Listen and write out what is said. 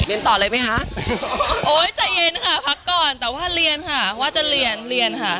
เรียนต่อเลยไหมคะโอ๊ยใจเย็นค่ะพักก่อนแต่ว่าเรียนค่ะว่าจะเรียนเรียนค่ะ